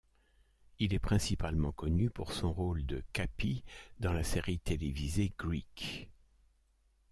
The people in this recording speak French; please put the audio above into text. Il est principalement connu pour son rôle de Cappie dans la série télévisée Greek.